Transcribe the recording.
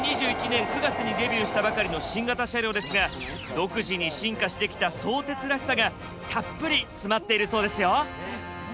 ２０２１年９月にデビューしたばかりの新型車両ですが独自に進化してきた相鉄らしさがたっぷり詰まっているそうですよ！